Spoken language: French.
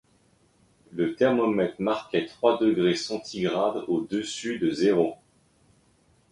Le thermomètre marquait trois degrés centigrades au-dessus de zéro.